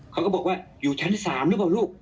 เขาก็บอกว่าอยู่ชั้น๓หรือเปล่าลูก